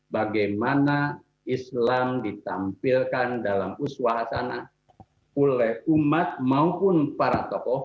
bagaimana islam ditampilkan dalam uswa hasanah oleh umat maupun para tokoh